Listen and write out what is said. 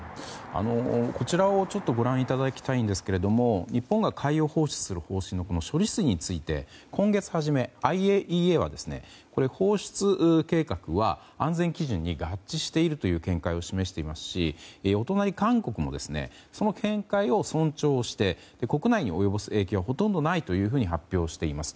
こちらをご覧いただきたいんですが日本が海洋放出する方針の処理水について今月初めＩＡＥＡは放出計画は安全基準に合致しているという見解を示していますしお隣・韓国もその見解を尊重して国内に及ぼす影響はほとんどないと発表しています。